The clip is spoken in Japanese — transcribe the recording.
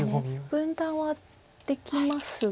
分断はできますが。